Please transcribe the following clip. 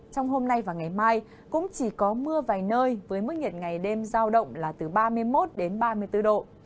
trong hôm nay và ngày mai cũng chỉ có mưa vài nơi với mức nhiệt ngày đêm giao động là từ ba mươi một đến ba mươi bốn độ